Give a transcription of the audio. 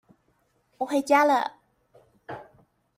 我回家了